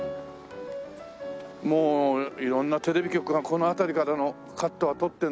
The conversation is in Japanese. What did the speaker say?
もう色んなテレビ局がこの辺りからのカットは撮ってるんだろうね。